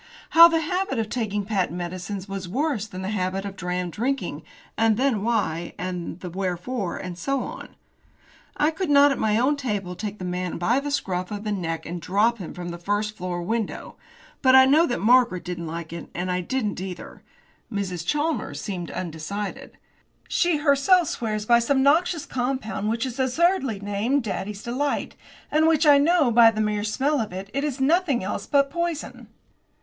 How the habit of taking patent medicines was worse than the habit of dram drinking, and the why, and the wherefore, and so on. I could not, at my own table, take the man by the scruff of the neck and drop him from the first floor window. But I know that Margaret didn't like it and I didn't either. Mrs. Chalmers seemed undecided. She herself swears by some noxious compound, which is absurdly named "Daddy's Delight," and which I know, by the mere smell of it, is nothing else but poison.